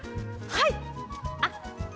はい！